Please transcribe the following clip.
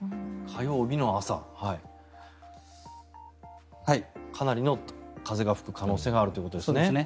火曜日の朝かなりの風が吹く可能性があるということですね。